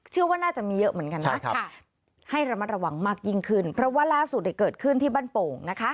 ว่าน่าจะมีเยอะเหมือนกันนะให้ระมัดระวังมากยิ่งขึ้นเพราะว่าล่าสุดเกิดขึ้นที่บ้านโป่งนะคะ